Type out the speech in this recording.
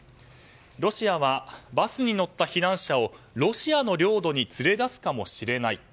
ロシアはバスに乗った避難者をロシアの領土に連れ出すかもしれない。